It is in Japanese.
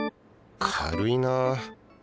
軽いな。